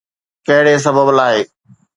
ڪهڙي سبب لاءِ؟